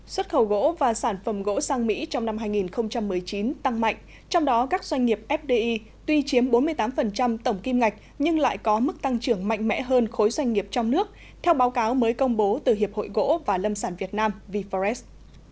xuất khẩu gỗ và sản phẩm gỗ sang mỹ trong năm hai nghìn một mươi chín tăng mạnh trong đó các doanh nghiệp fdi tuy chiếm bốn mươi tám tổng kim ngạch nhưng lại có mức tăng trưởng mạnh mẽ hơn khối doanh nghiệp trong nước theo báo cáo mới công bố từ hiệp hội gỗ và lâm sản việt nam vforest